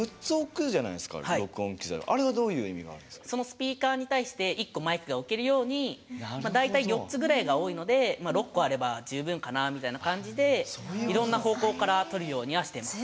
スピーカーに対して１個マイクが置けるように大体４つぐらいが多いのでまあ６個あれば十分かなみたいな感じでいろんな方向からとるようにはしてます。